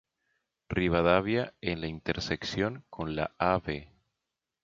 Rivadavia, en la intersección con la "Av.